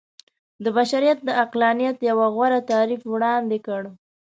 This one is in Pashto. د بشريت د عقلانيت يو غوره تعريف وړاندې کړ.